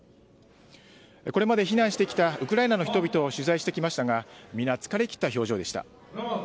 これまで避難してきたウクライナの人々を取材してきましたが皆、疲れきった表情でした。